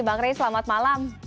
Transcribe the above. bang rey selamat malam